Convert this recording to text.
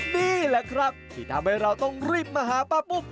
นี่แหละครับที่ทำให้เราต้องรีบมาหาป้าปุ้ม